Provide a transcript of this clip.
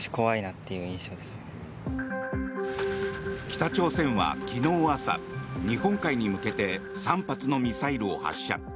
北朝鮮は昨日朝日本海に向けて３発のミサイルを発射。